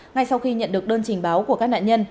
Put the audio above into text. ngay sau khi nhận được đơn trình báo của các nạn nhân